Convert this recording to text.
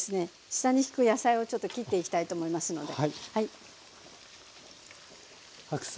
下にしく野菜をちょっと切っていきたいと思いますので。